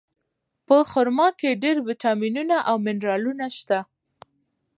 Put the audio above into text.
په خرما کې ډېر ویټامینونه او منرالونه شته.